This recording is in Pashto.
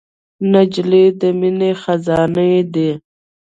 نجلۍ د مینې خزانې ده.